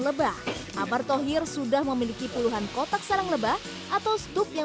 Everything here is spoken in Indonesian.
lebah amar thohir sudah memiliki puluhan kotak sarang lebah atau stup yang